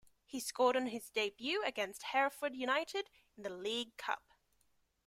He scored on his debut against Hereford United in the League Cup.